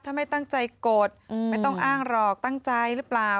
ถ้าไม่ตั้งใจกดไม่ต้องอ้างหรอกตั้งใจหรือเปล่า